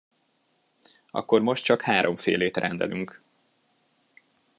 Akkor most csak háromfélét rendelünk.